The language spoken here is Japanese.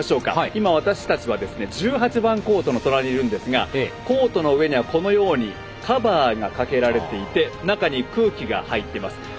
今、私たちは１８番コートの隣にいるんですがコートの上にはカバーがかけられていて中に空気が入っています。